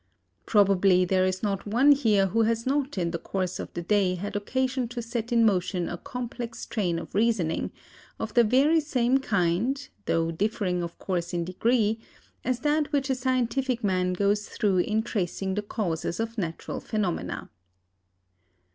Probably there is not one here who has not in the course of the day had occasion to set in motion a complex train of reasoning, of the very same kind, though differing of course in degree, as that which a scientific man goes through in tracing the causes of natural phenomena.